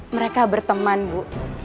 mereka berteman bu